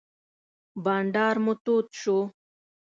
بانډار مو تود شو.